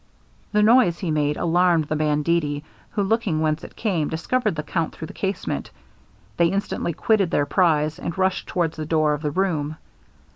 The noise he made alarmed the banditti, who looking whence it came, discovered the count through the casement. They instantly quitted their prize, and rushed towards the door of the room.